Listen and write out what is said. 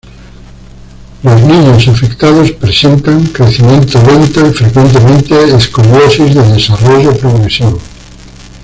Los niños afectados presentan crecimiento lento y frecuentemente escoliosis de desarrollo progresivo.